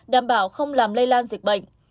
đảm bảo không làm lây lan dịch bệnh